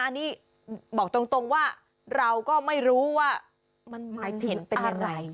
อันนี้บอกตรงว่าเราก็ไม่รู้ว่ามันหมายถึงเป็นอะไร